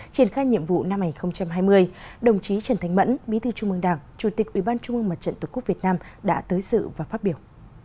triển khai nhiệm vụ năm hai nghìn hai mươi đồng chí trần thanh mẫn bí thư trung mương đảng chủ tịch ủy ban trung ương mặt trận tổ quốc việt nam đã tới sự và phát biểu